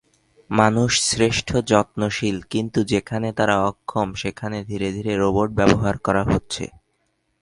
মানুষ শ্রেষ্ঠ যত্নশীল কিন্তু যেখানে তারা অক্ষম সেখানে ধীরে ধীরে রোবট ব্যবহার করা হচ্ছে।